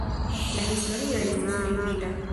La historio estis filmita.